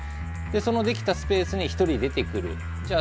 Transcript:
できたスペースに１人、出てくる。